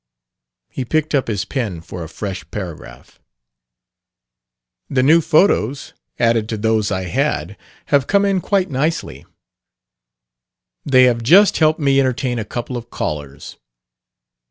He picked up his pen for a fresh paragraph. "The new photos added to those I had have come in quite nicely. They have just helped me entertain a couple of callers.